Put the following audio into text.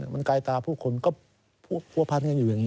มันกายตาผู้คนก็ผัวพันกันอยู่อย่างนี้